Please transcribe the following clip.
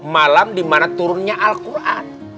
malam dimana turunnya al quran